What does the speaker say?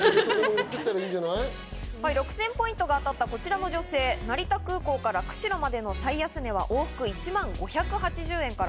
６０００ポイントが当たったこちらの女性、成田空港から釧路までの最安値は往復１万５８０円から。